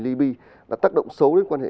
ly bi đã tác động xấu đến quan hệ